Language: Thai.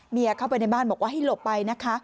เข้าไปในบ้านบอกว่าให้หลบไปนะคะ